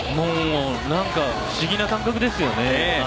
不思議な感覚ですよね。